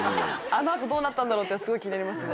あのあと、どうなったんだろうって、すごい気になりますね。